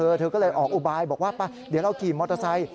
เธอก็เลยออกอุบายบอกว่าป่ะเดี๋ยวเราขี่มอเตอร์ไซค์